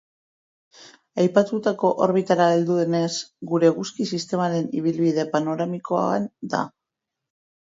Aipatutako orbitara heldu denez, gure eguzki-sistemaren ibilbide panoramikoan da.